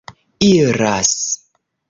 iras